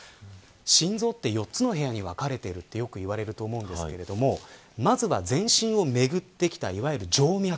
心臓は４つの部屋に分かれているとよくいわれると思うんですがまずは、全身をめぐってきたいわゆる静脈。